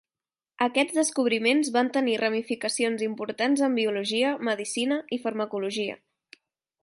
Aquests descobriments van tenir ramificacions importants en biologia, medicina i farmacologia.